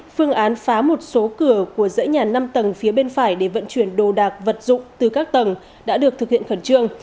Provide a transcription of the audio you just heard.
phương án phá một số cửa của dãy nhà năm tầng phía bên phải để vận chuyển đồ đạc vật dụng từ các tầng đã được thực hiện khẩn trương